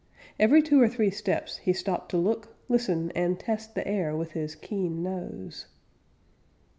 Every two or three steps he stopped to look, listen, and test the air with his keen nose.